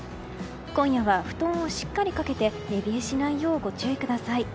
今夜は布団をしっかりかけて寝冷えしないようご注意ください。